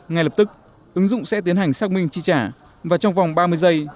ngay lập tức ứng dụng sẽ tiến hành xác minh chi trả và trong vòng ba mươi giây